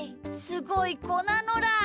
すごいこなのだ！